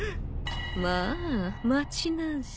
まあ待ちなんし。